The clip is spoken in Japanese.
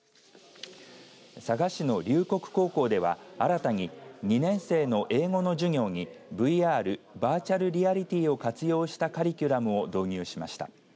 佐賀市の龍谷高校では新たに２年生の英語の授業にＶＲ、バーチャルリアリティーを活用したカリキュラムを導入しました。